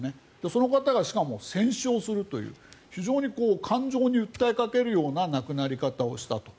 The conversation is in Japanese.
その方がしかも戦死をするという非常に感情に訴えかけるような亡くなり方をしたと。